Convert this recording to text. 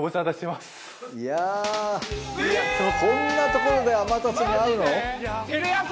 いやあこんな所で天達に会うの？